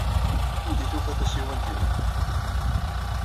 Anda ay tufa tasiwant-inu?